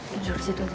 jujur disitu aja